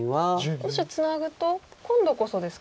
もしツナぐと今度こそですか？